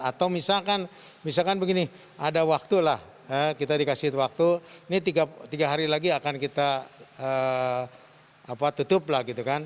atau misalkan misalkan begini ada waktu lah kita dikasih waktu ini tiga hari lagi akan kita tutup lah gitu kan